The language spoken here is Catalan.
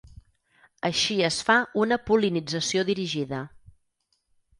Així es fa una pol·linització dirigida.